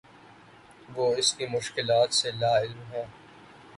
وہ اس کی مشکلات سے لاعلم ہے